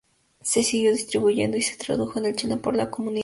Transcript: Se siguió distribuyendo y se tradujo al chino por la comunidad.